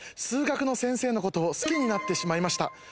数学の先生のことを好きになってしまいました」